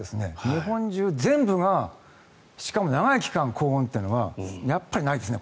日本中、全部がしかも長い期間、高温というのはやっぱりないですね。